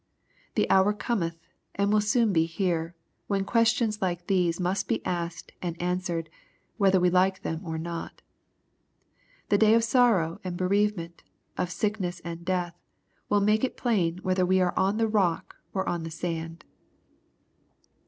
The hour cometh, and will soon be here, when ques tions like these must be asked and answered, whether we like them or not. The day of sorrow and bereavement, of sickness and death, will make it plain whether we are on the rock, or on the sand.